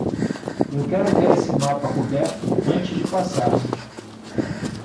Eu quero ver esse mapa coberto antes de passarmos!